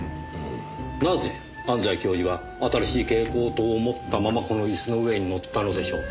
なぜ安西教授は新しい蛍光灯を持ったままこの椅子の上にのったのでしょう？